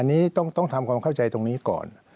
อันนี้ต้องทำความเข้าใจตรงนี้ก่อน